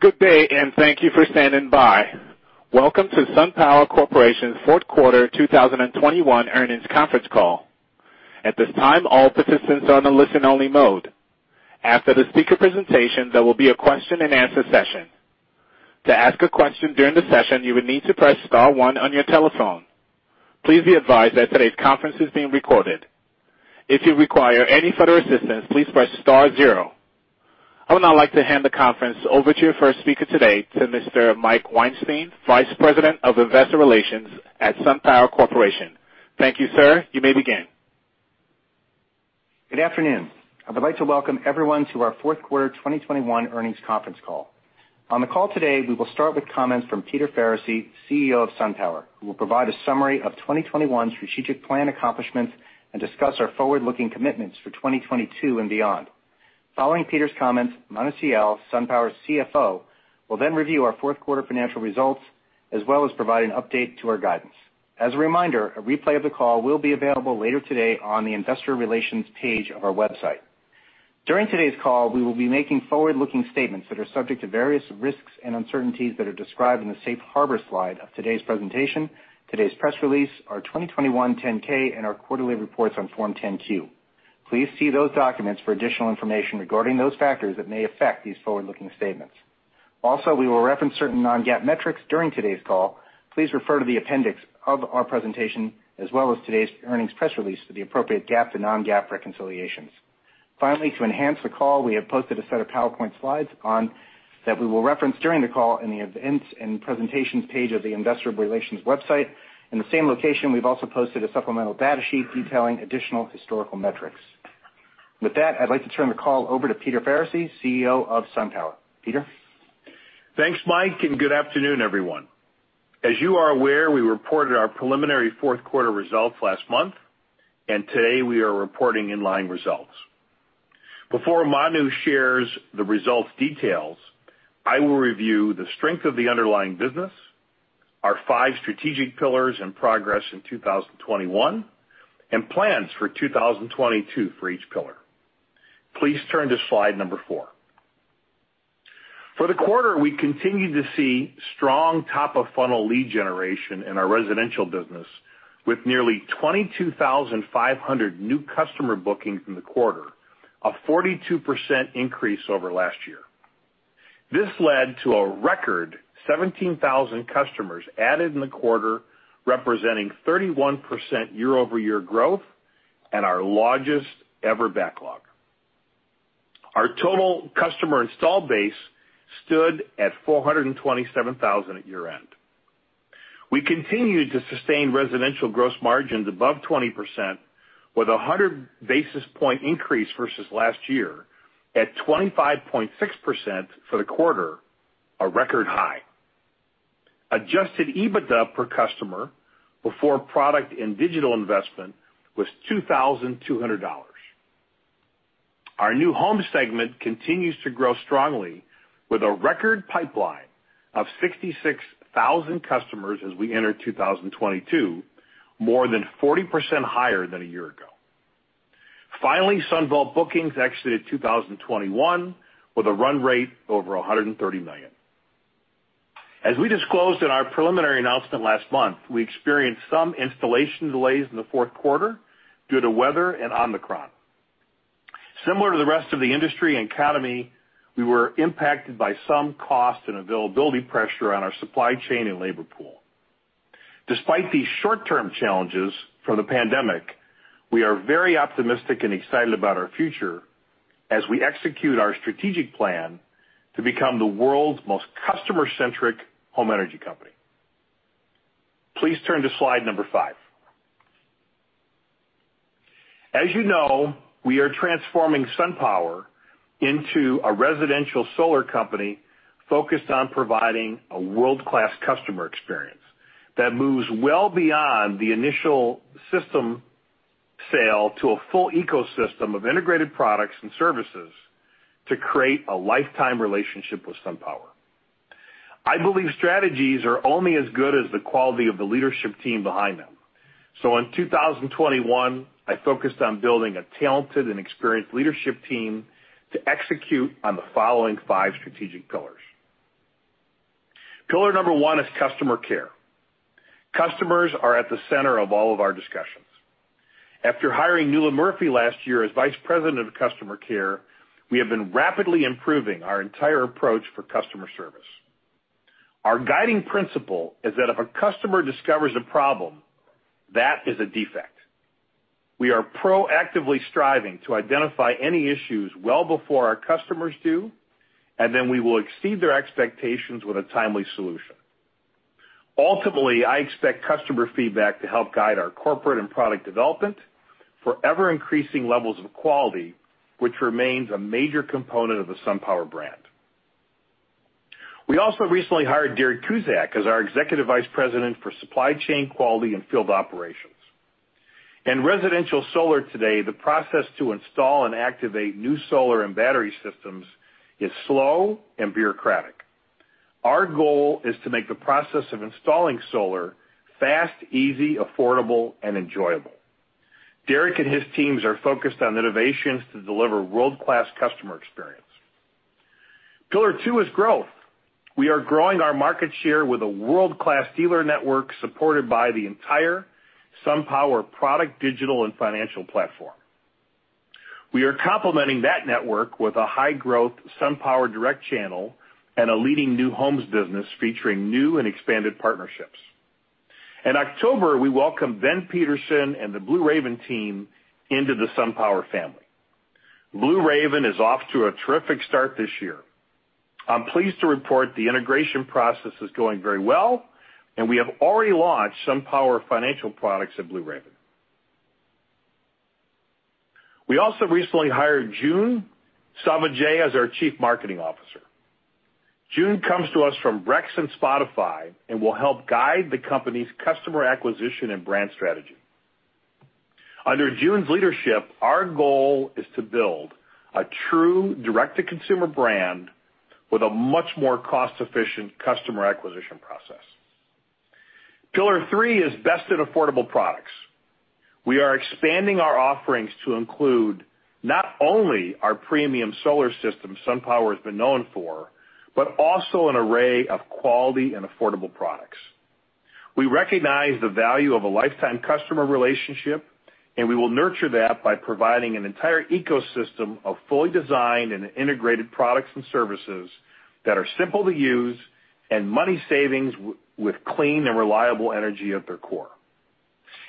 Good day, and thank you for standing by. Welcome to SunPower Corporation's fourth quarter 2021 earnings conference call. At this time, all participants are on a listen-only mode. After the speaker presentation, there will be a question-and-answer session. To ask a question during the session, you will need to press Star one on your telephone. Please be advised that today's conference is being recorded. If you require any further assistance, please press Star zero. I would now like to hand the conference over to your first speaker today, to Mr. Michael Weinstein, Vice President of Investor Relations at SunPower Corporation. Thank you, sir. You may begin. Good afternoon. I'd like to welcome everyone to our fourth quarter 2021 earnings conference call. On the call today, we will start with comments from Peter Faricy, CEO of SunPower, who will provide a summary of 2021 strategic plan accomplishments and discuss our forward-looking commitments for 2022 and beyond. Following Peter's comments, Manavendra Sial, SunPower's CFO, will then review our fourth quarter financial results, as well as provide an update to our guidance. As a reminder, a replay of the call will be available later today on the investor relations page of our website. During today's call, we will be making forward-looking statements that are subject to various risks and uncertainties that are described in the Safe Harbor slide of today's presentation, today's press release, our 2021 10-K, and our quarterly reports on Form 10-Q. Please see those documents for additional information regarding those factors that may affect these forward-looking statements. Also, we will reference certain non-GAAP metrics during today's call. Please refer to the appendix of our presentation as well as today's earnings press release to the appropriate GAAP to non-GAAP reconciliations. Finally, to enhance the call, we have posted a set of PowerPoint slides that we will reference during the call in the events and presentations page of the investor relations website. In the same location, we've also posted a supplemental data sheet detailing additional historical metrics. With that, I'd like to turn the call over to Peter Faricy, CEO of SunPower. Peter? Thanks, Mike, and good afternoon, everyone. As you are aware, we reported our preliminary fourth quarter results last month, and today we are reporting in-line results. Before Manu shares the results details, I will review the strength of the underlying business, our five strategic pillars and progress in 2021, and plans for 2022 for each pillar. Please turn to Slide 4. For the quarter, we continued to see strong top-of-funnel lead generation in our residential business with nearly 22,500 new customer bookings in the quarter, a 42% increase over last year. This led to a record 17,000 customers added in the quarter, representing 31% year-over-year growth and our largest ever backlog. Our total customer install base stood at 427,000 at year-end. We continued to sustain residential gross margins above 20% with a 100 basis point increase versus last year at 25.6% for the quarter, a record high. Adjusted EBITDA per customer before product and digital investment was $2,200. Our new home segment continues to grow strongly with a record pipeline of 66,000 customers as we enter 2022, more than 40% higher than a year ago. Finally, SunVault bookings exited 2021 with a run rate over $130 million. As we disclosed in our preliminary announcement last month, we experienced some installation delays in the fourth quarter due to weather and Omicron. Similar to the rest of the industry and economy, we were impacted by some cost and availability pressure on our supply chain and labor pool. Despite these short-term challenges from the pandemic, we are very optimistic and excited about our future as we execute our strategic plan to become the world's most customer-centric home energy company. Please turn to Slide 5. As you know, we are transforming SunPower into a residential solar company focused on providing a world-class customer experience that moves well beyond the initial system sale to a full ecosystem of integrated products and services to create a lifetime relationship with SunPower. I believe strategies are only as good as the quality of the leadership team behind them. In 2021, I focused on building a talented and experienced leadership team to execute on the following five strategic pillars. Pillar 1 is customer care. Customers are at the center of all of our discussions. After hiring Nuala Murphy last year as Vice President of Customer Care, we have been rapidly improving our entire approach for customer service. Our guiding principle is that if a customer discovers a problem, that is a defect. We are proactively striving to identify any issues well before our customers do, and then we will exceed their expectations with a timely solution. Ultimately, I expect customer feedback to help guide our corporate and product development for ever-increasing levels of quality, which remains a major component of the SunPower brand. We also recently hired Derek Cusack as our Executive Vice President for Supply Chain Quality and Field Operations. In residential solar today, the process to install and activate new solar and battery systems is slow and bureaucratic. Our goal is to make the process of installing solar fast, easy, affordable, and enjoyable. Derek and his teams are focused on innovations to deliver world-class customer experience. Pillar 2 is growth. We are growing our market share with a world-class dealer network supported by the entire SunPower product, digital, and financial platform. We are complementing that network with a high-growth SunPower Direct channel and a leading new homes business featuring new and expanded partnerships. In October, we welcomed Ben Peterson and the Blue Raven team into the SunPower family. Blue Raven is off to a terrific start this year. I'm pleased to report the integration process is going very well, and we have already launched SunPower Financial products at Blue Raven. We also recently hired June Sauvaget as our Chief Marketing Officer. June Sauvaget comes to us from Rex and Spotify and will help guide the company's customer acquisition and brand strategy. Under June Sauvaget's leadership, our goal is to build a true direct-to-consumer brand with a much more cost-efficient customer acquisition process. Pillar 3 is best and affordable products. We are expanding our offerings to include not only our premium solar system SunPower has been known for, but also an array of quality and affordable products. We recognize the value of a lifetime customer relationship, and we will nurture that by providing an entire ecosystem of fully designed and integrated products and services that are simple to use and money-saving with clean and reliable energy at their core.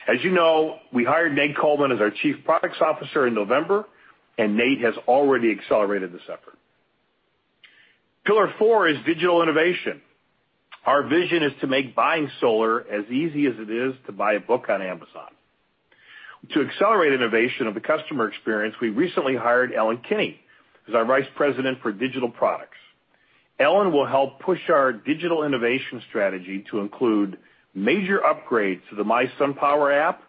As you know, we hired Nate Coleman as our Chief Products Officer in November, and Nate has already accelerated this effort. Pillar 4 is digital innovation. Our vision is to make buying solar as easy as it is to buy a book on Amazon. To accelerate innovation of the customer experience, we recently hired Ellen Kinney as our Vice President for Digital Products. Ellen will help push our digital innovation strategy to include major upgrades to the mySunPower app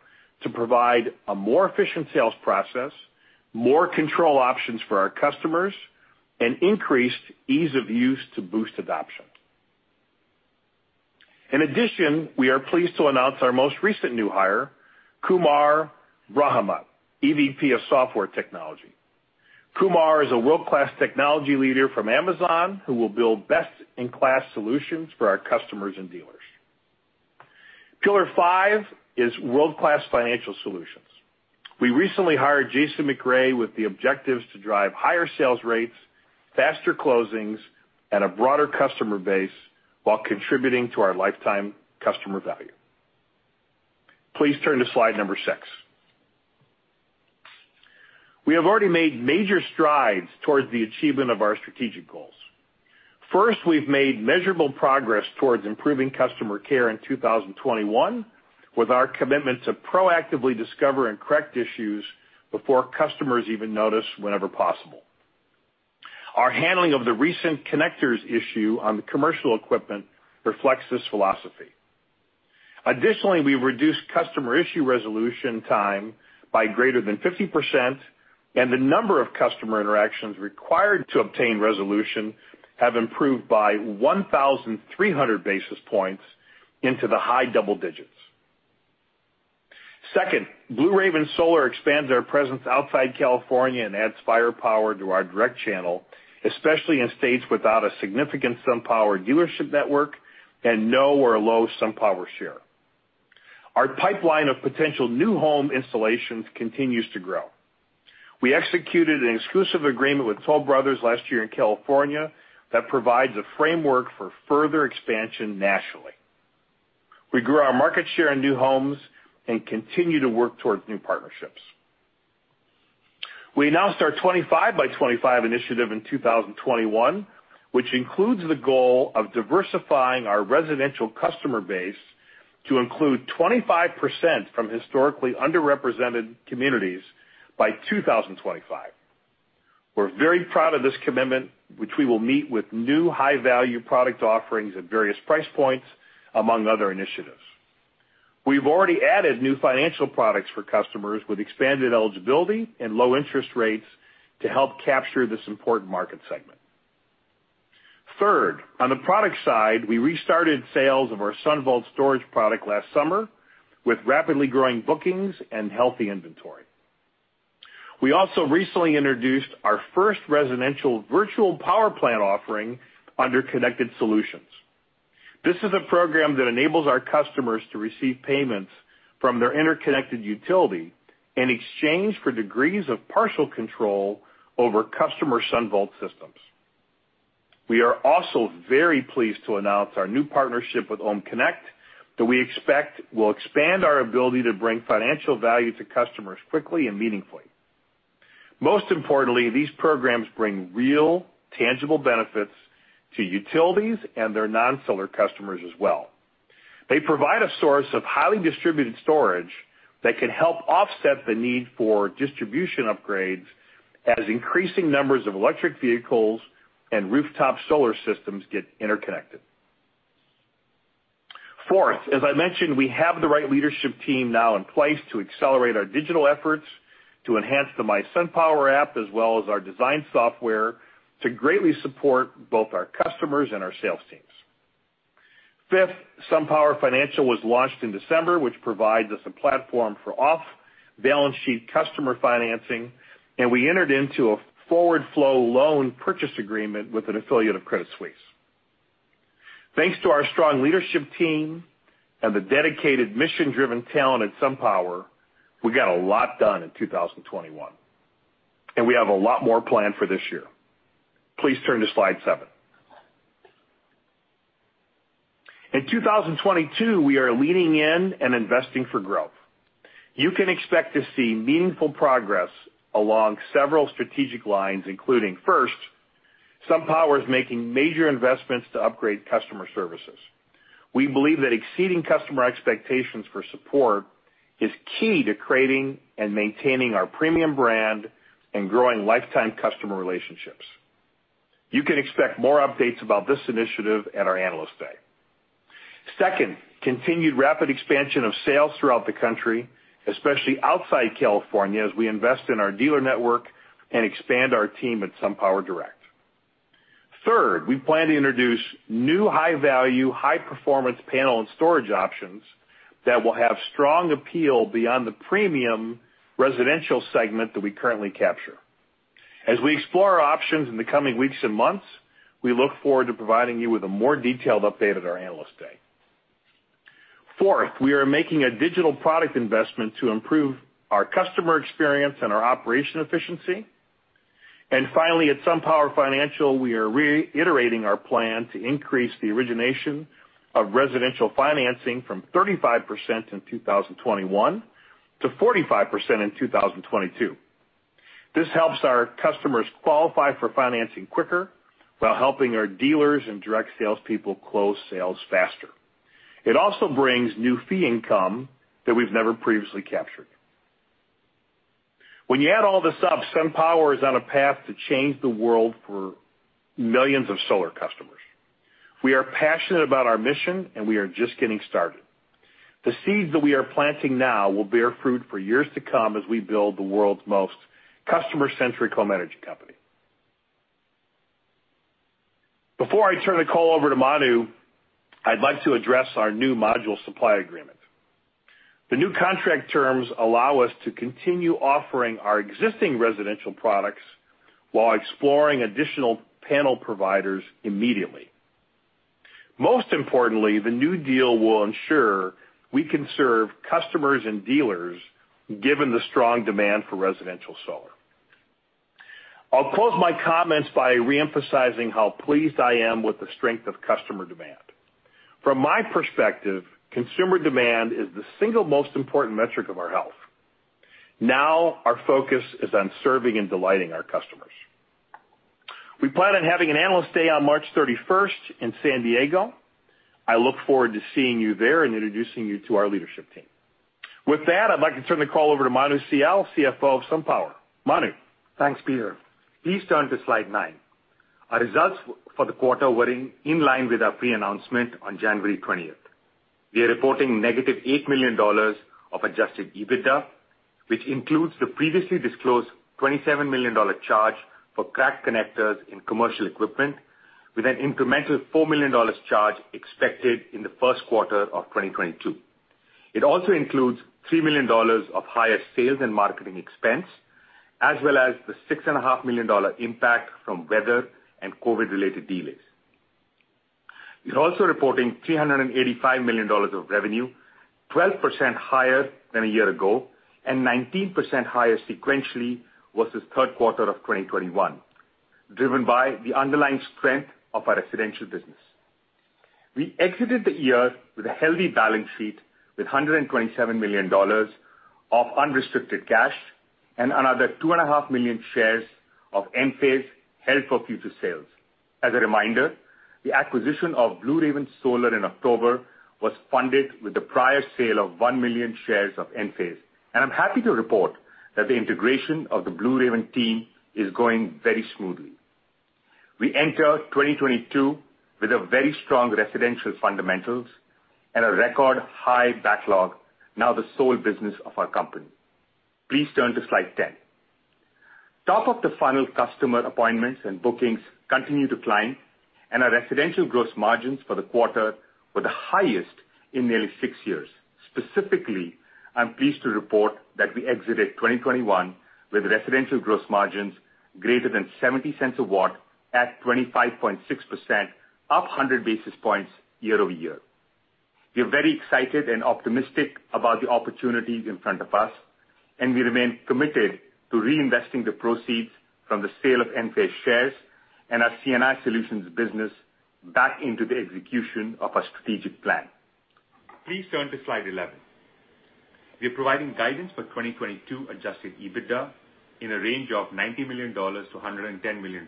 to provide a more efficient sales process, more control options for our customers, and increased ease of use to boost adoption. In addition, we are pleased to announce our most recent new hire, Kumar Brahnmath, EVP of Software Technology. Kumar is a world-class technology leader from Amazon who will build best-in-class solutions for our customers and dealers. Pillar 5 is world-class financial solutions. We recently hired Jason McGray with the objectives to drive higher sales rates, faster closings, and a broader customer base while contributing to our lifetime customer value. Please turn to slide Number 6. We have already made major strides towards the achievement of our strategic goals. First, we've made measurable progress towards improving customer care in 2021 with our commitment to proactively discover and correct issues before customers even notice whenever possible. Our handling of the recent connectors issue on the commercial equipment reflects this philosophy. Additionally, we reduced customer issue resolution time by greater than 50%, and the number of customer interactions required to obtain resolution have improved by 1,300 basis points into the high double digits. Second, Blue Raven Solar expands our presence outside California and adds firepower to our direct channel, especially in states without a significant SunPower dealership network and no or low SunPower share. Our pipeline of potential new home installations continues to grow. We executed an exclusive agreement with Toll Brothers last year in California that provides a framework for further expansion nationally. We grew our market share in new homes and continue to work towards new partnerships. We announced our 25 by 25 initiative in 2021, which includes the goal of diversifying our residential customer base to include 25% from historically underrepresented communities by 2025. We're very proud of this commitment, which we will meet with new high-value product offerings at various price points, among other initiatives. We've already added new financial products for customers with expanded eligibility and low interest rates to help capture this important market segment. Third, on the product side, we restarted sales of our SunVault storage product last summer with rapidly growing bookings and healthy inventory. We also recently introduced our first residential virtual power plant offering under Connected Solutions. This is a program that enables our customers to receive payments from their interconnected utility in exchange for degrees of partial control over customer SunVault systems. We are also very pleased to announce our new partnership with OhmConnect that we expect will expand our ability to bring financial value to customers quickly and meaningfully. Most importantly, these programs bring real, tangible benefits to utilities and their non-solar customers as well. They provide a source of highly distributed storage that can help offset the need for distribution upgrades as increasing numbers of electric vehicles and rooftop solar systems get interconnected. Fourth, as I mentioned, we have the right leadership team now in place to accelerate our digital efforts to enhance the mySunPower app as well as our design software to greatly support both our customers and our sales teams. Fifth, SunPower Financial was launched in December, which provides us a platform for off-balance sheet customer financing, and we entered into a forward flow loan purchase agreement with an affiliate of Credit Suisse. Thanks to our strong leadership team and the dedicated mission-driven talent at SunPower, we got a lot done in 2021, and we have a lot more planned for this year. Please turn to Slide 7. In 2022, we are leaning in and investing for growth. You can expect to see meaningful progress along several strategic lines, including first, SunPower is making major investments to upgrade customer services. We believe that exceeding customer expectations for support is key to creating and maintaining our premium brand and growing lifetime customer relationships. You can expect more updates about this initiative at our Analyst Day. Second, continued rapid expansion of sales throughout the country, especially outside California, as we invest in our dealer network and expand our team at SunPower Direct. Third, we plan to introduce new high-value, high-performance panel and storage options that will have strong appeal beyond the premium residential segment that we currently capture. As we explore our options in the coming weeks and months, we look forward to providing you with a more detailed update at our Analyst Day. Fourth, we are making a digital product investment to improve our customer experience and our operational efficiency. Finally, at SunPower Financial, we are reiterating our plan to increase the origination of residential financing from 35% in 2021 to 45% in 2022. This helps our customers qualify for financing quicker while helping our dealers and direct salespeople close sales faster. It also brings new fee income that we've never previously captured. When you add all this up, SunPower is on a path to change the world for millions of solar customers. We are passionate about our mission, and we are just getting started. The seeds that we are planting now will bear fruit for years to come as we build the world's most customer-centric home energy company. Before I turn the call over to Manu, I'd like to address our new module supply agreement. The new contract terms allow us to continue offering our existing residential products while exploring additional panel providers immediately. Most importantly, the new deal will ensure we can serve customers and dealers given the strong demand for residential solar. I'll close my comments by re-emphasizing how pleased I am with the strength of customer demand. From my perspective, consumer demand is the single most important metric of our health. Now our focus is on serving and delighting our customers. We plan on having an Analyst Day on March 31st in San Diego. I look forward to seeing you there and introducing you to our leadership team. With that, I'd like to turn the call over to Manu Sial, CFO of SunPower. Manu. Thanks, Peter. Please turn to Slide 9. Our results for the quarter were in line with our pre-announcement on January 20th. We are reporting -$8 million of adjusted EBITDA, which includes the previously disclosed $27 million charge for cracked connectors in commercial equipment with an incremental $4 million charge expected in the first quarter of 2022. It also includes $3 million of higher sales and marketing expense, as well as the $6.5 million impact from weather and COVID-related delays. We're also reporting $385 million of revenue, 12% higher than a year ago, and 19% higher sequentially versus third quarter of 2021, driven by the underlying strength of our residential business. We exited the year with a healthy balance sheet with $127 million of unrestricted cash and another 2.5 million shares of Enphase held for future sales. As a reminder, the acquisition of Blue Raven Solar in October was funded with the prior sale of 1 million shares of Enphase, and I'm happy to report that the integration of the Blue Raven team is going very smoothly. We enter 2022 with a very strong residential fundamentals and a record high backlog, now the sole business of our company. Please turn to Slide 10. Top of the funnel customer appointments and bookings continue to climb and our residential gross margins for the quarter were the highest in nearly six years. Specifically, I'm pleased to report that we exited 2021 with residential gross margins greater than $0.70/W at 25.6%, up 100 basis points year-over-year. We are very excited and optimistic about the opportunities in front of us, and we remain committed to reinvesting the proceeds from the sale of Enphase shares and our C&I Solutions business back into the execution of our strategic plan. Please turn to Slide 11. We're providing guidance for 2022 adjusted EBITDA in a range of $90 million-$110 million.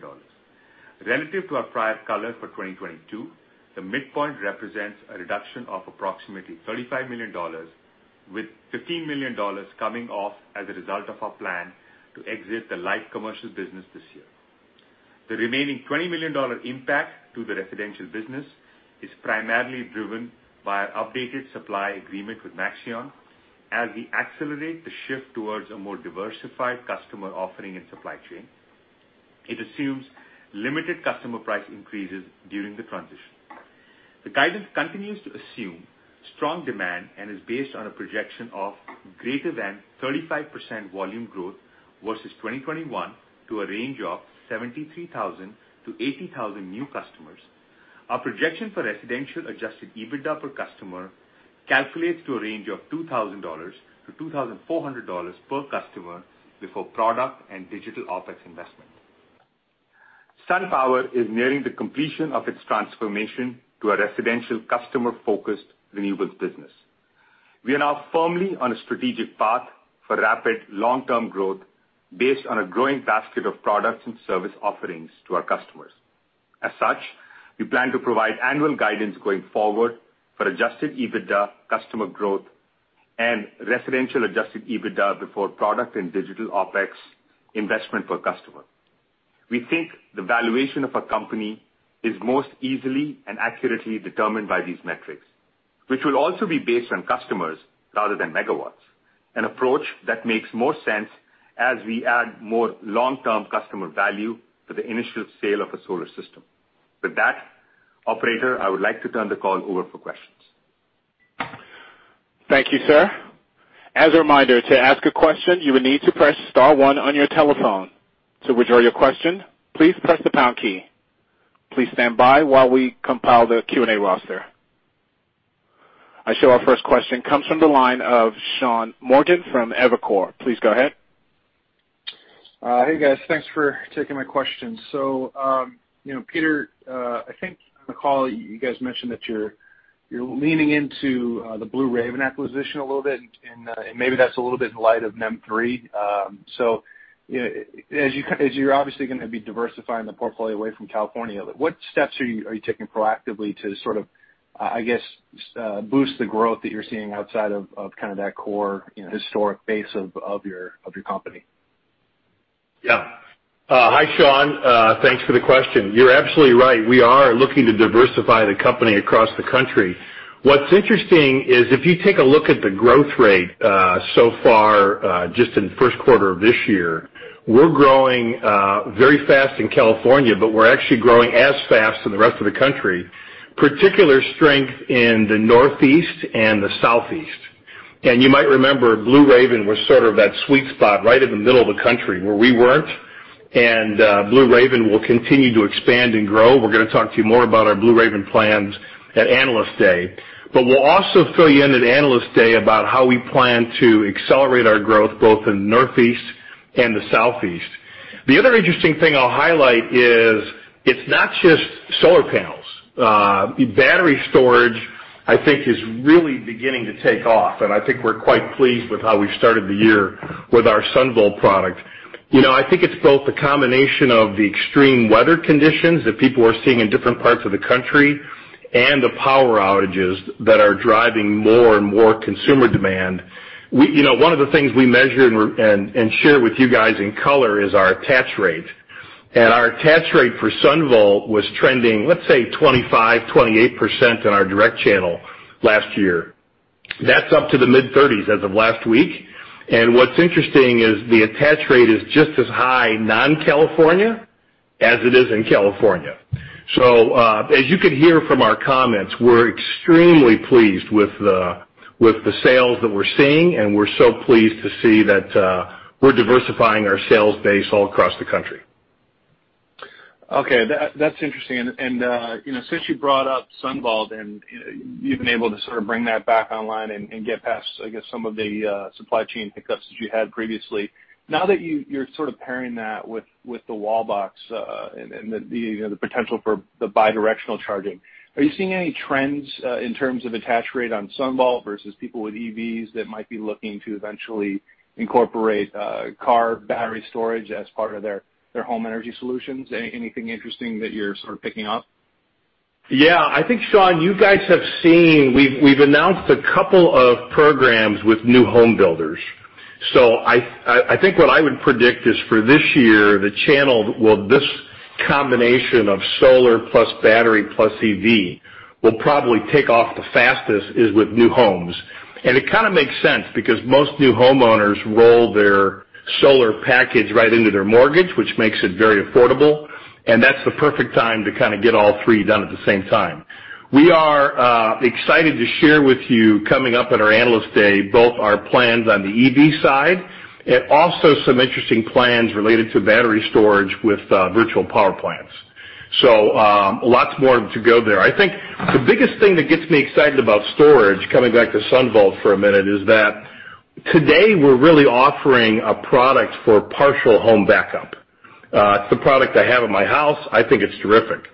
Relative to our prior color for 2022, the midpoint represents a reduction of approximately $35 million, with $15 million coming off as a result of our plan to exit the light commercial business this year. The remaining $20 million impact to the residential business is primarily driven by our updated supply agreement with Maxeon as we accelerate the shift towards a more diversified customer offering and supply chain. It assumes limited customer price increases during the transition. The guidance continues to assume strong demand and is based on a projection of greater than 35% volume growth versus 2021 to a range of 73,000-80,000 new customers. Our projection for residential adjusted EBITDA per customer calculates to a range of $2,000-$2,400 per customer before product and digital OpEx investment. SunPower is nearing the completion of its transformation to a residential customer-focused renewables business. We are now firmly on a strategic path for rapid long-term growth based on a growing basket of products and service offerings to our customers. As such, we plan to provide annual guidance going forward for adjusted EBITDA customer growth and residential adjusted EBITDA before product and digital OpEx investment per customer. We think the valuation of a company is most easily and accurately determined by these metrics, which will also be based on customers rather than megawatts, an approach that makes more sense as we add more long-term customer value to the initial sale of a solar system. With that, operator, I would like to turn the call over for questions. Thank you, sir. As a reminder, to ask a question, you will need to press star one on your telephone. To withdraw your question, please press the pound key. Please stand by while we compile the Q&A roster. Our first question comes from the line of Sean Morgan from Evercore. Please go ahead. Hey, guys. Thanks for taking my question. You know, Peter, I think on the call you guys mentioned that you're leaning into the Blue Raven acquisition a little bit, and maybe that's a little bit in light of NEM3. You know, as you're obviously gonna be diversifying the portfolio away from California, what steps are you taking proactively to sort of, I guess, boost the growth that you're seeing outside of kind of that core, you know, historic base of your company? Yeah. Hi, Sean. Thanks for the question. You're absolutely right. We are looking to diversify the company across the country. What's interesting is if you take a look at the growth rate so far just in the first quarter of this year, we're growing very fast in California, but we're actually growing as fast in the rest of the country, particular strength in the Northeast and the Southeast. You might remember Blue Raven was sort of that sweet spot right in the middle of the country where we weren't, and Blue Raven will continue to expand and grow. We're gonna talk to you more about our Blue Raven plans at Analyst Day. We'll also fill you in at Analyst Day about how we plan to accelerate our growth both in the Northeast and the Southeast. The other interesting thing I'll highlight is it's not just solar panels. Battery storage, I think, is really beginning to take off, and I think we're quite pleased with how we've started the year with our SunVault product. You know, I think it's both a combination of the extreme weather conditions that people are seeing in different parts of the country and the power outages that are driving more and more consumer demand. You know, one of the things we measure and share with you guys in color is our attach rate. Our attach rate for SunVault was trending, let's say, 25%-28% in our direct channel last year. That's up to the mid-30s as of last week. What's interesting is the attach rate is just as high non-California as it is in California. as you could hear from our comments, we're extremely pleased with the sales that we're seeing, and we're so pleased to see that we're diversifying our sales base all across the country. Okay. That's interesting. You know, since you brought up SunVault and you've been able to sort of bring that back online and get past, I guess, some of the supply chain hiccups that you had previously. Now that you're sort of pairing that with the Wallbox and the potential for the bidirectional charging, are you seeing any trends in terms of attach rate on SunVault versus people with EVs that might be looking to eventually incorporate car battery storage as part of their home energy solutions? Anything interesting that you're sort of picking up? Yeah. I think, Sean, you guys have seen we've announced a couple of programs with new home builders. I think what I would predict is for this year this combination of solar plus battery plus EV will probably take off the fastest is with new homes. It kinda makes sense because most new homeowners roll their solar package right into their mortgage, which makes it very affordable, and that's the perfect time to kinda get all three done at the same time. We are excited to share with you coming up at our Analyst Day both our plans on the EV side and also some interesting plans related to battery storage with virtual power plants. Lots more to go there. I think the biggest thing that gets me excited about storage, coming back to SunVault for a minute, is that today we're really offering a product for partial home backup. It's the product I have at my house. I think it's terrific.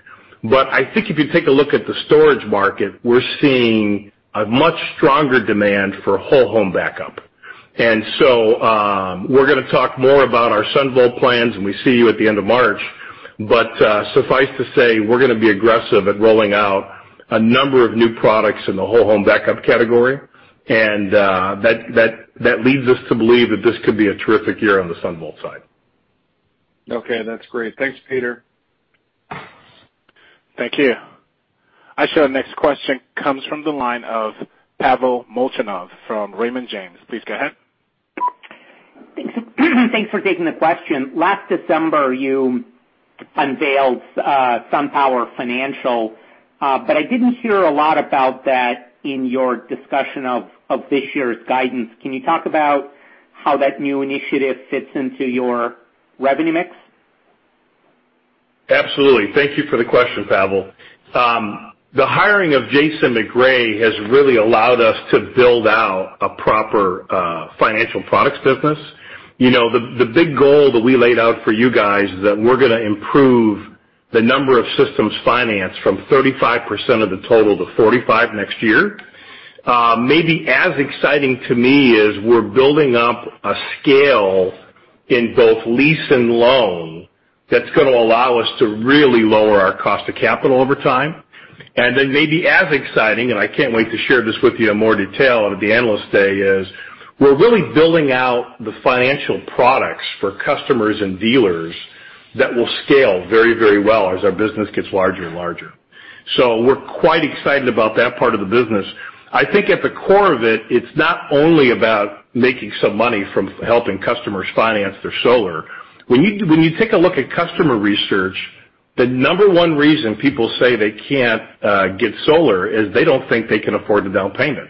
I think if you take a look at the storage market, we're seeing a much stronger demand for whole home backup. We're gonna talk more about our SunVault plans, and we see you at the end of March. Suffice to say, we're gonna be aggressive at rolling out a number of new products in the whole home backup category, and that leads us to believe that this could be a terrific year on the SunVault side. Okay. That's great. Thanks, Peter. Thank you. I show our next question comes from the line of Pavel Molchanov from Raymond James. Please go ahead. Thanks for taking the question. Last December, you unveiled SunPower Financial, but I didn't hear a lot about that in your discussion of this year's guidance. Can you talk about how that new initiative fits into your revenue mix? Absolutely. Thank you for the question, Pavel. The hiring of Jason McGray has really allowed us to build out a proper financial products business. You know, the big goal that we laid out for you guys is that we're gonna improve the number of systems financed from 35% of the total to 45% next year. Maybe as exciting to me is we're building up a scale in both lease and loan that's gonna allow us to really lower our cost of capital over time. Maybe as exciting, and I can't wait to share this with you in more detail at the Analyst Day, is we're really building out the financial products for customers and dealers that will scale very, very well as our business gets larger and larger. We're quite excited about that part of the business. I think at the core of it's not only about making some money from helping customers finance their solar. When you take a look at customer research, the number one reason people say they can't get solar is they don't think they can afford the down payment.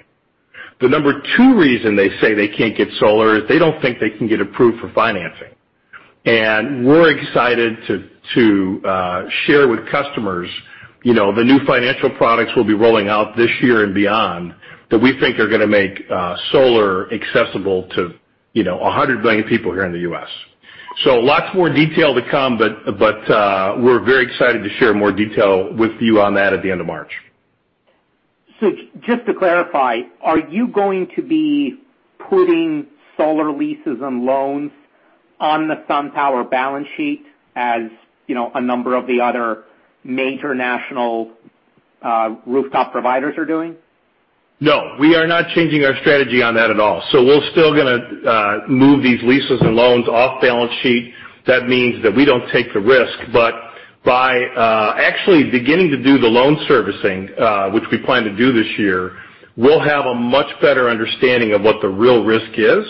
The number two reason they say they can't get solar is they don't think they can get approved for financing. We're excited to share with customers, you know, the new financial products we'll be rolling out this year and beyond that we think are gonna make solar accessible to, you know, 100 million people here in the U.S. Lots more detail to come, but we're very excited to share more detail with you on that at the end of March. Just to clarify, are you going to be putting solar leases and loans on the SunPower balance sheet as, you know, a number of the other major national rooftop providers are doing? No, we are not changing our strategy on that at all. We're still gonna move these leases and loans off balance sheet. That means that we don't take the risk. By actually beginning to do the loan servicing, which we plan to do this year, we'll have a much better understanding of what the real risk is,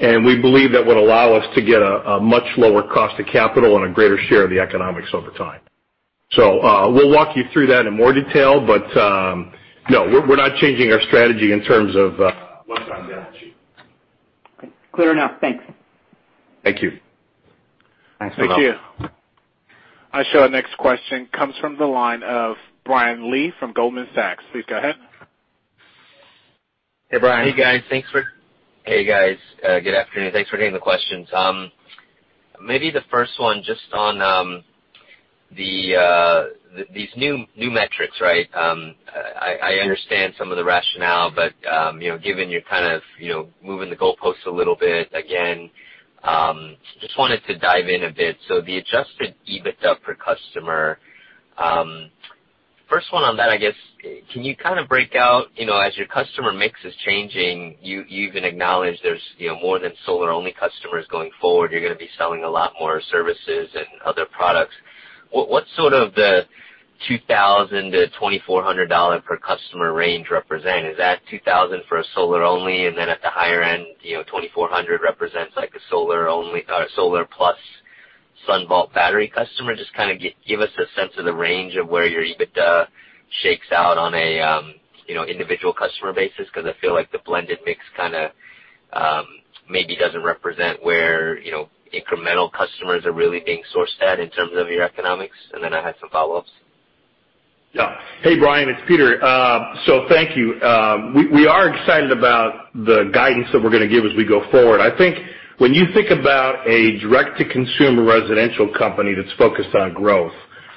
and we believe that would allow us to get a much lower cost of capital and a greater share of the economics over time. We'll walk you through that in more detail, but no, we're not changing our strategy in terms of loans on the balance sheet. Okay. Clear enough. Thanks. Thank you. Thanks, Pavel. Thank you. Our next question comes from the line of Brian Lee from Goldman Sachs. Please go ahead. Hey, Brian. Hey, guys. Thanks for Hey, guys. Good afternoon. Thanks for taking the questions. Maybe the first one just on these new metrics, right? I understand some of the rationale, but you know, given you're kind of you know, moving the goalposts a little bit, again, just wanted to dive in a bit. The adjusted EBITDA per customer, first one on that, I guess, can you kind of break out you know, as your customer mix is changing, you even acknowledge there's you know, more than solar-only customers going forward, you're gonna be selling a lot more services and other products. What's sort of the $2,000-$2,400 per customer range represent? Is that $2000 for a solar only and then at the higher end, you know, $2400 represents like a solar only or a solar plus SunVault battery customer? Just kinda give us a sense of the range of where your EBITDA shakes out on a, you know, individual customer basis because I feel like the blended mix kinda, maybe doesn't represent where, you know, incremental customers are really being sourced at in terms of your economics, and then I have some follow-ups. Yeah. Hey, Brian, it's Peter. Thank you. We are excited about the guidance that we're gonna give as we go forward. I think when you think about a direct-to-consumer residential company that's focused on growth,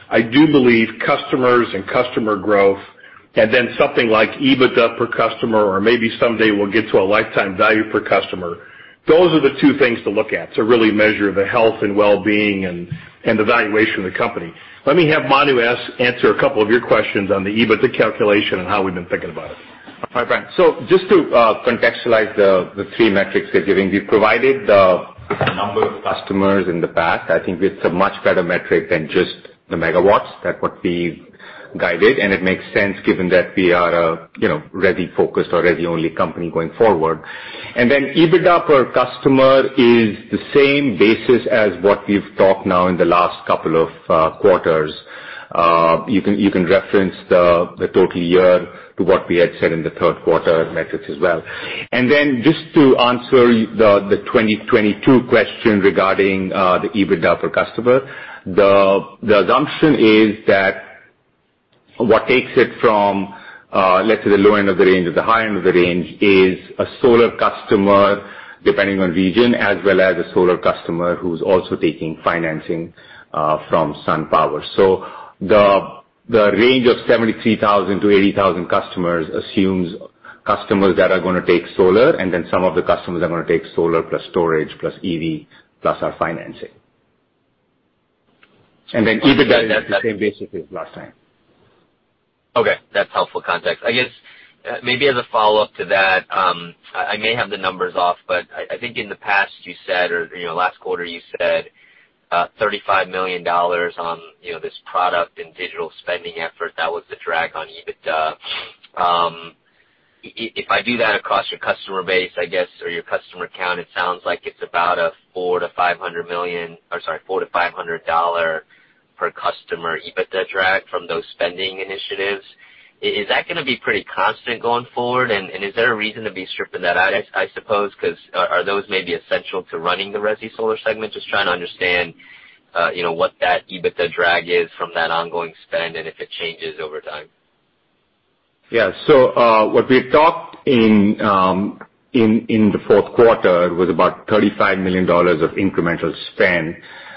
I do believe customers and customer growth and then something like EBITDA per customer or maybe someday we'll get to a lifetime value per customer, those are the two things to look at to really measure the health and well-being and the valuation of the company. Let me have Manu answer a couple of your questions on the EBITDA calculation and how we've been thinking about it. Hi, Brian. Just to contextualize the three metrics we're giving, we've provided the number of customers in the past. I think it's a much better metric than just the megawatts. That's what we've guided, and it makes sense given that we are, you know, resi-focused or resi-only company going forward. EBITDA per customer is the same basis as what we've talked about in the last couple of quarters. You can reference the total year to what we had said in the third quarter metrics as well. Just to answer the 2022 question regarding the EBITDA per customer, the assumption is that what takes it from let's say the low end of the range or the high end of the range is a solar customer, depending on region, as well as a solar customer who's also taking financing from SunPower. The range of 73,000-80,000 customers assumes customers that are gonna take solar, and then some of the customers are gonna take solar plus storage plus EV plus our financing. EBITDA is the same basically as last time. Okay, that's helpful context. I guess maybe as a follow-up to that, I may have the numbers off, but I think in the past you said, or, you know, last quarter you said, $35 million on, you know, this product and digital spending effort, that was the drag on EBITDA. If I do that across your customer base, I guess, or your customer count, it sounds like it's about a $400-$500 per customer EBITDA drag from those spending initiatives. Is that gonna be pretty constant going forward? Is there a reason to be stripping that out, I suppose, 'cause are those maybe essential to running the resi solar segment? Just trying to understand, you know, what that EBITDA drag is from that ongoing spend, and if it changes over time. Yeah. What we had talked in the fourth quarter was about $35 million of incremental spend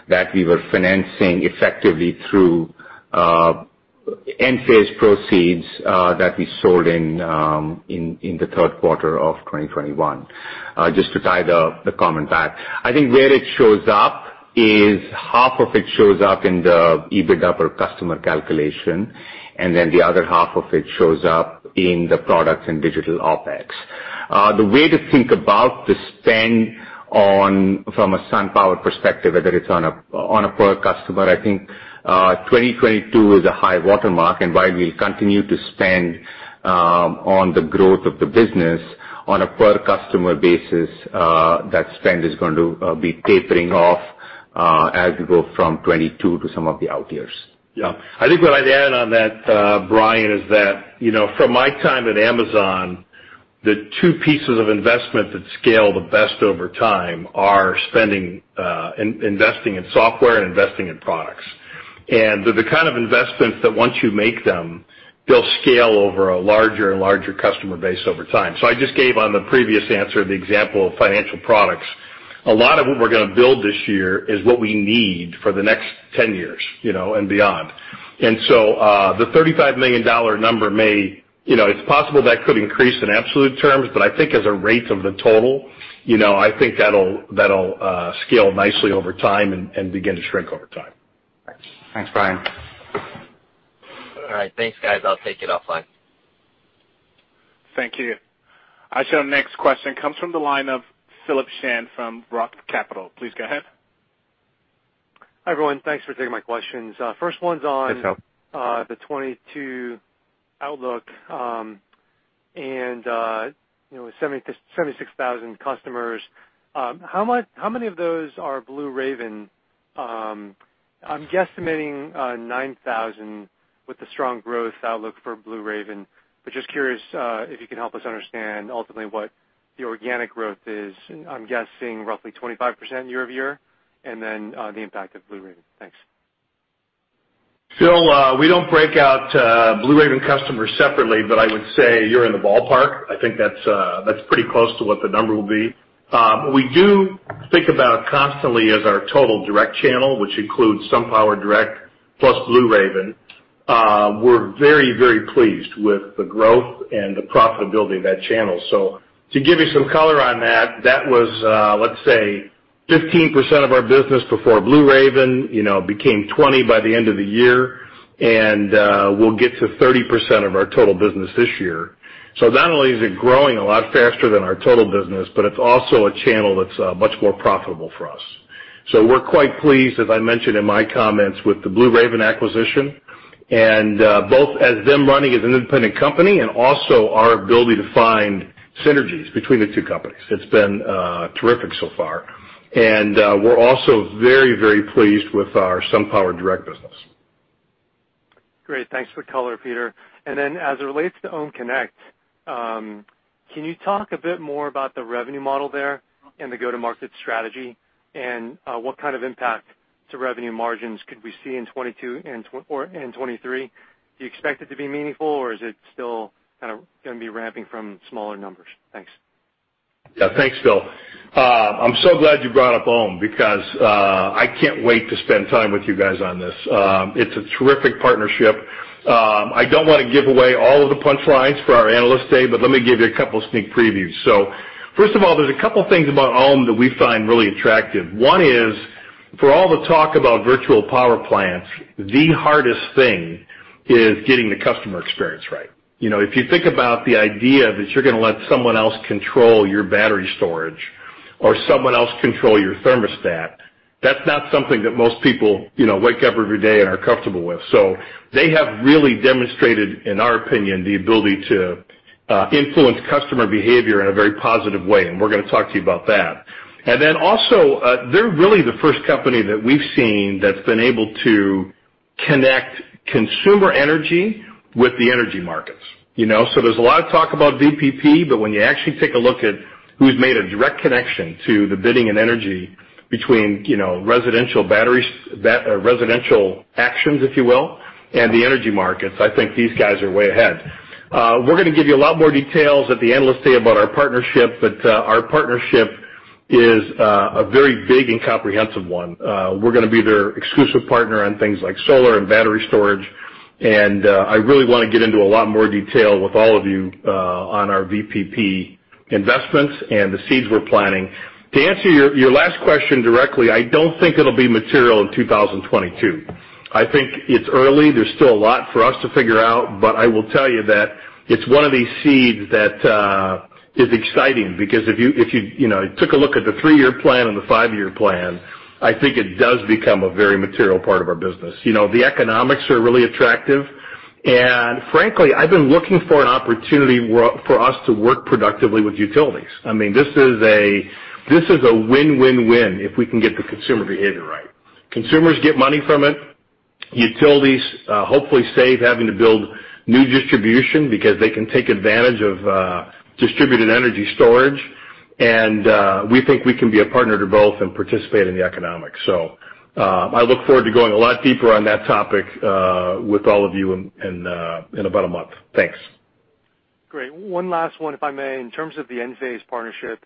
that we were financing effectively through Enphase proceeds that we sold in the third quarter of 2021, just to tie the comment back. I think where it shows up is half of it shows up in the EBITDA per customer calculation, and then the other half of it shows up in the products and digital OpEx. The way to think about the spend from a SunPower perspective, whether it's on a per customer, I think, 2022 is a high watermark, and while we'll continue to spend on the growth of the business on a per customer basis, that spend is going to be tapering off as we go from 2022 to some of the out years. Yeah. I think what I'd add on that, Brian, is that, you know, from my time at Amazon, the two pieces of investment that scale the best over time are investing in software and investing in products. They're the kind of investments that once you make them, they'll scale over a larger and larger customer base over time. I just gave on the previous answer the example of financial products. A lot of what we're gonna build this year is what we need for the next 10 years, you know, and beyond. The $35 million number may, you know, it's possible that could increase in absolute terms, but I think as a rate of the total, you know, I think that'll scale nicely over time and begin to shrink over time. Thanks. Thanks, Brian. All right. Thanks, guys. I'll take it offline. Thank you. Our next question comes from the line of Philip Shen from Roth Capital. Please go ahead. Hi, everyone. Thanks for taking my questions. First one's on- Thanks, Phil. The 2022 outlook, and, you know, with 76,000 customers, how many of those are Blue Raven? I'm guesstimating 9,000 with the strong growth outlook for Blue Raven, but just curious if you can help us understand ultimately what the organic growth is. I'm guessing roughly 25% year-over-year, and then the impact of Blue Raven. Thanks. Phil, we don't break out Blue Raven customers separately, but I would say you're in the ballpark. I think that's pretty close to what the number will be. We do think about it constantly as our total direct channel, which includes SunPower Direct plus Blue Raven. We're very, very pleased with the growth and the profitability of that channel. To give you some color on that was let's say 15% of our business before Blue Raven, you know, became 20% by the end of the year, and we'll get to 30% of our total business this year. Not only is it growing a lot faster than our total business, but it's also a channel that's much more profitable for us. We're quite pleased, as I mentioned in my comments, with the Blue Raven acquisition and both as them running as an independent company and also our ability to find synergies between the two companies. It's been terrific so far. We're also very, very pleased with our SunPower Direct business. Great. Thanks for the color, Peter. As it relates to OhmConnect, can you talk a bit more about the revenue model there and the go-to-market strategy and what kind of impact to revenue margins could we see in 2022 and 2023? Do you expect it to be meaningful, or is it still kind of gonna be ramping from smaller numbers? Thanks. Yeah. Thanks, Phil. I'm so glad you brought up Ohm because I can't wait to spend time with you guys on this. It's a terrific partnership. I don't wanna give away all of the punch lines for our Analyst Day, but let me give you a couple sneak previews. First of all, there's a couple things about Ohm that we find really attractive. One is, for all the talk about virtual power plants, the hardest thing is getting the customer experience right. You know, if you think about the idea that you're gonna let someone else control your battery storage or someone else control your thermostat, that's not something that most people, you know, wake up every day and are comfortable with. They have really demonstrated, in our opinion, the ability to influence customer behavior in a very positive way, and we're gonna talk to you about that. Also, they're really the first company that we've seen that's been able to connect consumer energy with the energy markets, you know. There's a lot of talk about VPP, but when you actually take a look at who's made a direct connection to the bidding and energy between, you know, residential batteries, residential actions, if you will, and the energy markets, I think these guys are way ahead. We're gonna give you a lot more details at the Analyst Day about our partnership, but our partnership is a very big and comprehensive one. We're gonna be their exclusive partner on things like solar and battery storage, and I really wanna get into a lot more detail with all of you on our VPP investments and the seeds we're planting. To answer your last question directly, I don't think it'll be material in 2022. I think it's early. There's still a lot for us to figure out, but I will tell you that it's one of these seeds that is exciting because if you you know took a look at the three-year plan and the five-year plan, I think it does become a very material part of our business. You know, the economics are really attractive. Frankly, I've been looking for an opportunity for us to work productively with utilities. I mean, this is a win-win-win if we can get the consumer behavior right. Consumers get money from it. Utilities hopefully save having to build new distribution because they can take advantage of distributed energy storage. We think we can be a partner to both and participate in the economics. I look forward to going a lot deeper on that topic with all of you in about a month. Thanks. Great. One last one, if I may. In terms of the Enphase partnership,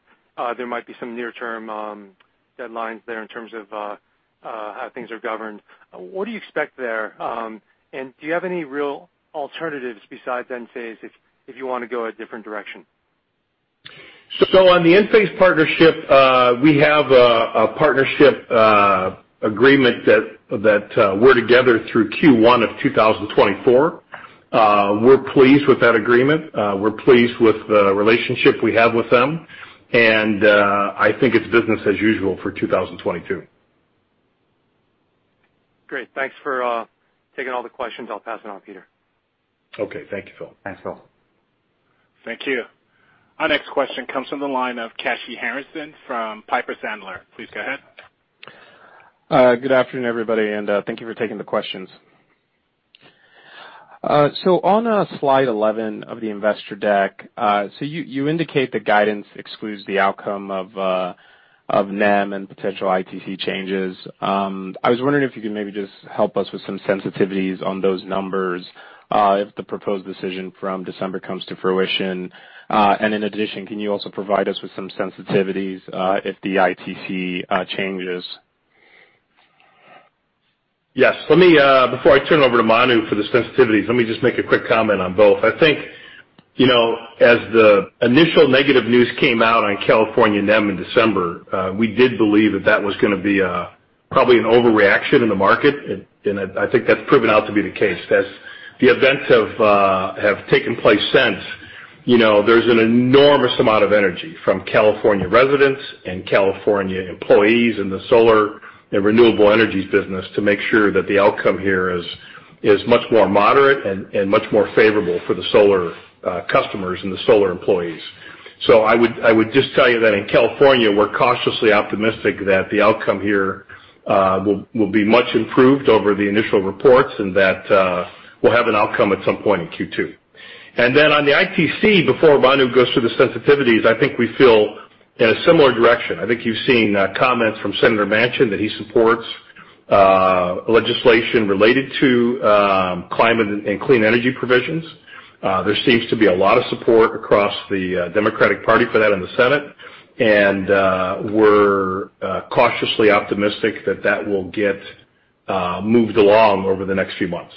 there might be some near-term deadlines there in terms of how things are governed. What do you expect there? Do you have any real alternatives besides Enphase if you wanna go a different direction? On the Enphase partnership, we have a partnership agreement that we're together through Q1 of 2024. We're pleased with that agreement. We're pleased with the relationship we have with them. I think it's business as usual for 2022. Great. Thanks for taking all the questions. I'll pass it on, Peter. Okay. Thank you, Phil. Thanks, Phil. Thank you. Our next question comes from the line of Kashy Harrison from Piper Sandler. Please go ahead. Good afternoon, everybody, and thank you for taking the questions. On Slide 11 of the investor deck, you indicate the guidance excludes the outcome of NEM and potential ITC changes. I was wondering if you could maybe just help us with some sensitivities on those numbers, if the proposed decision from December comes to fruition. In addition, can you also provide us with some sensitivities, if the ITC changes? Yes. Let me, before I turn it over to Manu for the sensitivities, let me just make a quick comment on both. I think, you know, as the initial negative news came out on California NEM in December, we did believe that that was gonna be, probably an overreaction in the market, and I think that's proven out to be the case. As the events have taken place since, you know, there's an enormous amount of energy from California residents and California employees in the solar and renewable energies business to make sure that the outcome here is much more moderate and much more favorable for the solar customers and the solar employees. I would just tell you that in California, we're cautiously optimistic that the outcome here will be much improved over the initial reports and that we'll have an outcome at some point in Q2. Then on the ITC, before Manu goes through the sensitivities, I think we feel in a similar direction. I think you've seen comments from Senator Manchin that he supports legislation related to climate and clean energy provisions. There seems to be a lot of support across the Democratic Party for that in the Senate. We're cautiously optimistic that that will get moved along over the next few months.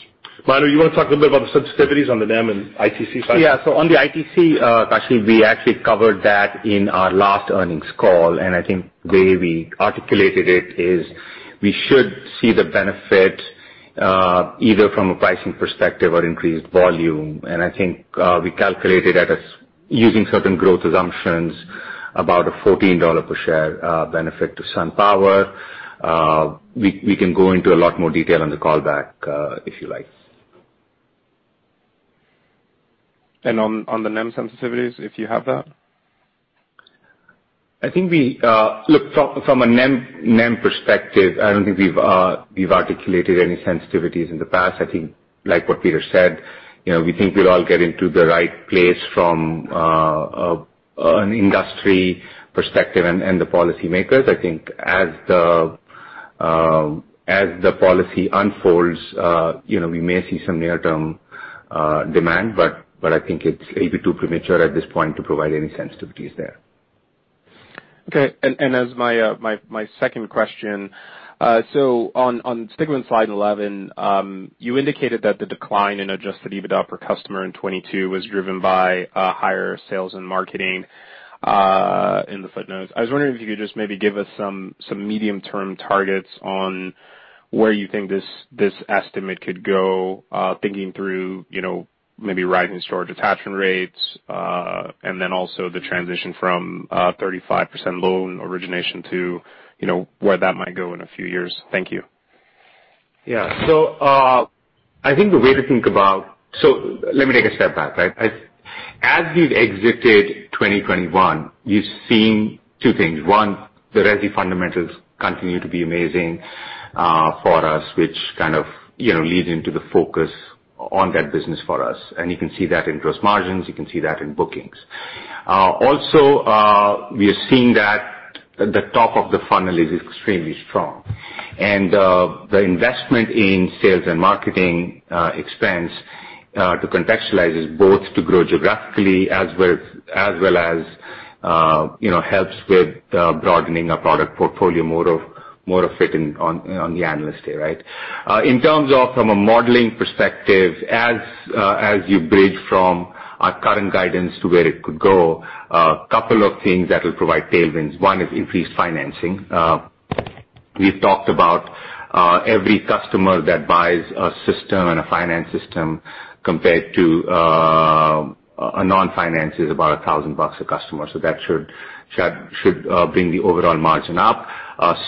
Manu, you wanna talk a little bit about the sensitivities on the NEM and ITC side? Yeah. On the ITC, Kashy, we actually covered that in our last earnings call, and I think the way we articulated it is we should see the benefit, either from a pricing perspective or increased volume. I think we calculated using certain growth assumptions about a $14 per share benefit to SunPower. We can go into a lot more detail on the callback if you like. On the NEM sensitivities, if you have that? I think we look from a NEM perspective. I don't think we've articulated any sensitivities in the past. I think like what Peter said, you know, we think we'll all get into the right place from an industry perspective and the policymakers. I think as the policy unfolds, you know, we may see some near-term demand, but I think it's a bit too premature at this point to provide any sensitivities there. Okay. As my second question, on sticking with Slide 11, you indicated that the decline in adjusted EBITDA per customer in 2022 was driven by higher sales and marketing in the footnotes. I was wondering if you could just maybe give us some medium-term targets on where you think this estimate could go, thinking through, you know, maybe rising storage attachment rates, and then also the transition from 35% loan origination to, you know, where that might go in a few years. Thank you. Yeah. I think the way to think about it. Let me take a step back, right? As we've exited 2021, you've seen two things. One, the resi fundamentals continue to be amazing for us, which kind of, you know, leads into the focus on that business for us. You can see that in gross margins, you can see that in bookings. We are seeing that the top of the funnel is extremely strong. The investment in sales and marketing expense, to contextualize, is both to grow geographically as well as, you know, helps with broadening our product portfolio more of it fits in on the Analyst Day, right? In terms of from a modeling perspective, as you bridge from our current guidance to where it could go, a couple of things that will provide tailwinds. One is increased financing. We've talked about every customer that buys a system and a finance system compared to a non-finance is about $1,000 a customer, so that should bring the overall margin up.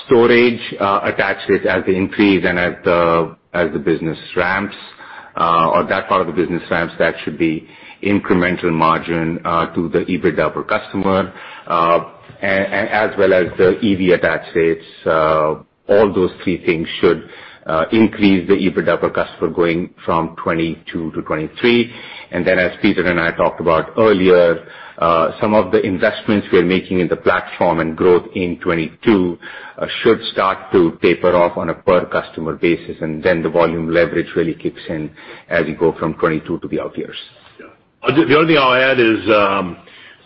Storage attaches as they increase and as the business ramps, or that part of the business ramps, that should be incremental margin to the EBITDA per customer. As well as the EV attach rates. All those three things should increase the EBITDA per customer going from 2022 to 2023. As Peter and I talked about earlier, some of the investments we're making in the platform and growth in 2022 should start to taper off on a per customer basis, and then the volume leverage really kicks in as you go from 2022 to the out years. Yeah. The only thing I'll add is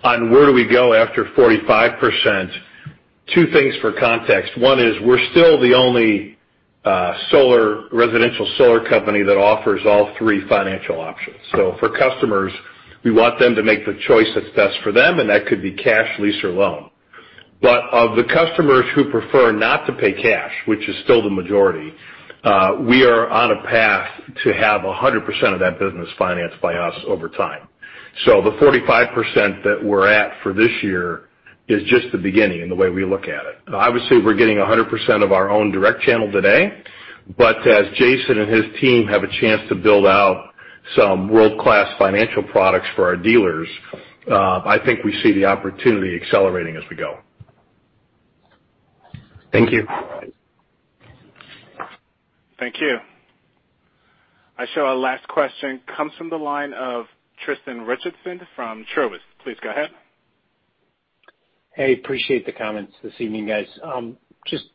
on where do we go after 45%, two things for context. One is we're still the only solar residential solar company that offers all three financial options. For customers, we want them to make the choice that's best for them, and that could be cash, lease or loan. Of the customers who prefer not to pay cash, which is still the majority, we are on a path to have 100% of that business financed by us over time. The 45% that we're at for this year is just the beginning in the way we look at it. Obviously, we're getting 100% of our own direct channel today, but as Jason and his team have a chance to build out some world-class financial products for our dealers, I think we see the opportunity accelerating as we go. Thank you. Thank you. Our last question comes from the line of Tristan Richardson from Truist. Please go ahead. Hey, I appreciate the comments this evening, guys. Just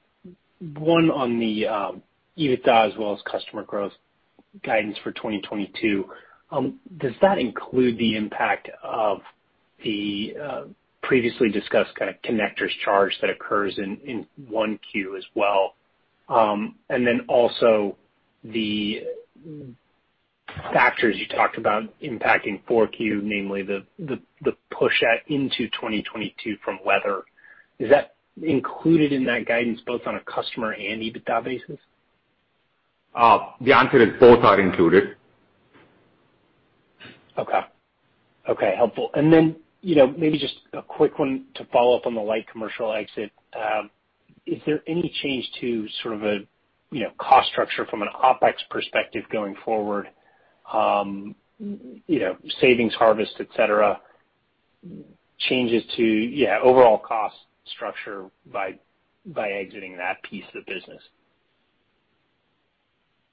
one on the EBITDA as well as customer growth guidance for 2022. Does that include the impact of the previously discussed kind of connectors charge that occurs in 1Q as well? And then also the factors you talked about impacting 4Q, namely the push out into 2022 from weather. Is that included in that guidance, both on a customer and EBITDA basis? The answer is both are included. Okay. Okay, helpful. You know, maybe just a quick one to follow up on the light commercial exit. Is there any change to sort of a, you know, cost structure from an OpEx perspective going forward? You know, savings harvest, et cetera, changes to, yeah, overall cost structure by exiting that piece of the business.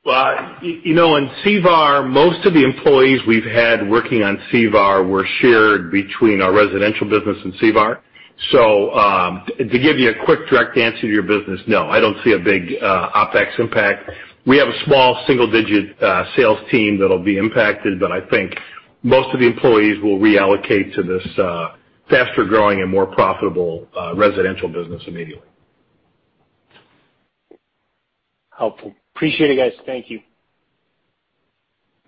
Well, you know, in C&I, most of the employees we've had working on C&I were shared between our residential business and C&I. To give you a quick direct answer to your question, no, I don't see a big OpEx impact. We have a small single-digit sales team that'll be impacted, but I think most of the employees will reallocate to this faster-growing and more profitable residential business immediately. Helpful. Appreciate it, guys. Thank you.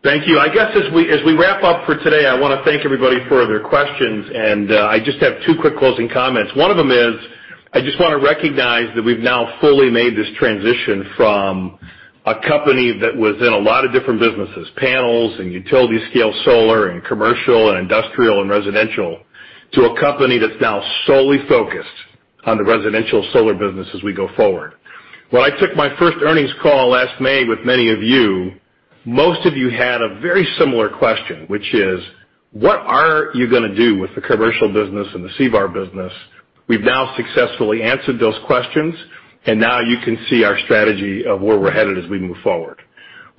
Thank you. I guess as we wrap up for today, I wanna thank everybody for their questions, and I just have two quick closing comments. One of them is, I just wanna recognize that we've now fully made this transition from a company that was in a lot of different businesses, panels and utility scale solar and commercial and industrial and residential, to a company that's now solely focused on the residential solar business as we go forward. When I took my first earnings call last May with many of you, most of you had a very similar question, which is, What are you gonna do with the commercial business and the C&I business? We've now successfully answered those questions, and now you can see our strategy of where we're headed as we move forward.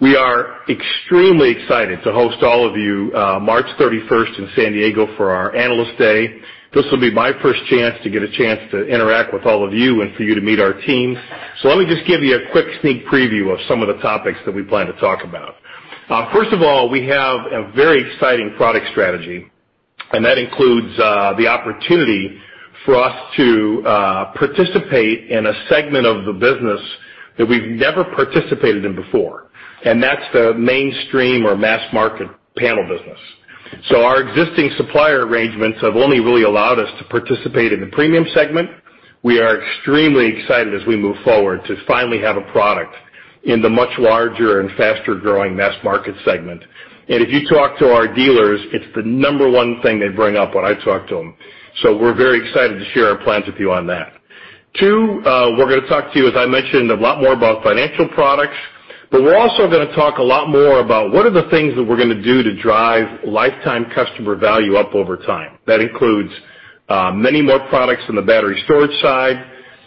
We are extremely excited to host all of you, March 31st in San Diego for our Analyst Day. This will be my first chance to interact with all of you and for you to meet our team. Let me just give you a quick sneak preview of some of the topics that we plan to talk about. First of all, we have a very exciting product strategy, and that includes the opportunity for us to participate in a segment of the business that we've never participated in before, and that's the mainstream or mass market panel business. Our existing supplier arrangements have only really allowed us to participate in the premium segment. We are extremely excited as we move forward to finally have a product in the much larger and faster-growing mass market segment. If you talk to our dealers, it's the number one thing they bring up when I talk to them. We're very excited to share our plans with you on that. Two, we're gonna talk to you, as I mentioned, a lot more about financial products, but we're also gonna talk a lot more about what are the things that we're gonna do to drive lifetime customer value up over time. That includes many more products on the battery storage side,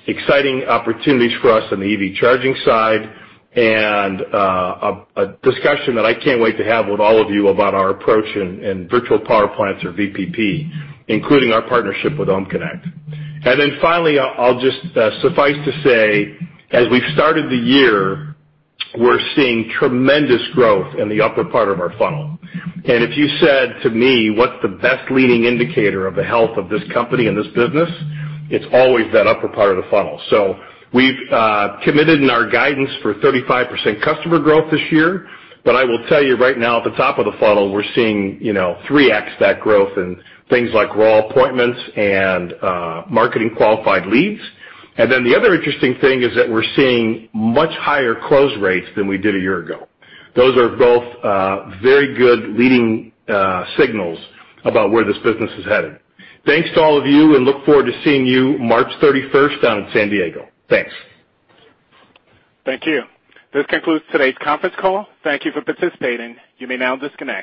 exciting opportunities for us on the EV charging side, and a discussion that I can't wait to have with all of you about our approach in virtual power plants or VPP, including our partnership with OhmConnect. Finally, I'll just suffice to say, as we've started the year, we're seeing tremendous growth in the upper part of our funnel. If you said to me, what's the best leading indicator of the health of this company and this business, it's always that upper part of the funnel. We've committed in our guidance for 35% customer growth this year, but I will tell you right now at the top of the funnel, we're seeing, you know, 3x that growth in things like raw appointments and marketing qualified leads. The other interesting thing is that we're seeing much higher close rates than we did a year ago. Those are both very good leading signals about where this business is headed. Thanks to all of you, and look forward to seeing you March 31st down in San Diego. Thanks. Thank you. This concludes today's conference call. Thank you for participating. You may now disconnect.